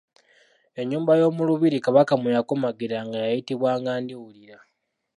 Ennyumba y’omu lubiri Kabaka mwe yakomagiranga yayitibwanga Ndiwulira.